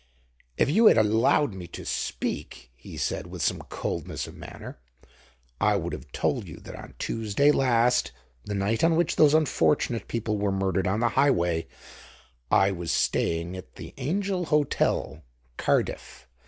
"If you had allowed me to speak," he said with some coldness of manner, "I would have told you that on Tuesday last, the night on which those unfortunate people were murdered on the Highway I was staying at the Angel Hotel, Cardiff.